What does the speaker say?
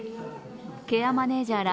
ケアマネージャーら